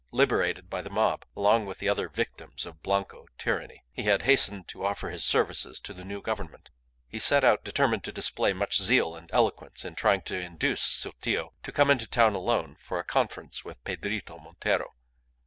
Liberated by the mob along with the other "victims of Blanco tyranny," he had hastened to offer his services to the new Government. He set out determined to display much zeal and eloquence in trying to induce Sotillo to come into town alone for a conference with Pedrito Montero.